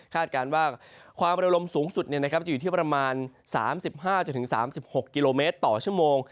การว่าความระลมสูงสุดจะอยู่ที่ประมาณ๓๕๓๖กิโลเมตรต่อชั่วโมง